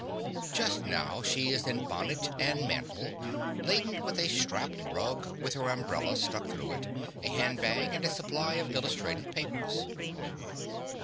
Just now she is in bonnet and mantle, laden with a strapped rug with her umbrella stuck through it, a handbag, and a supply of illustrated papers.